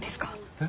え？